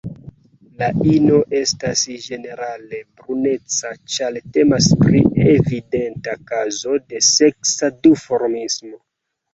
La ino estas ĝenerale bruneca, ĉar temas pri evidenta kazo de seksa duformismo.